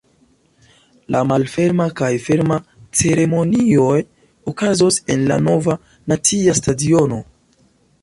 La malferma kaj ferma ceremonioj okazos en la Nova nacia stadiono.